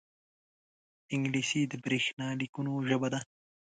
انګلیسي د برېښنا لیکونو ژبه ده